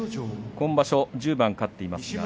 今場所１０番勝っています